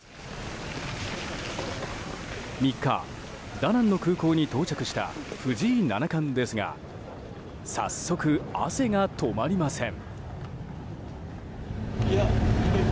３日、ダナンの空港に到着した藤井七冠ですが早速、汗が止まりません。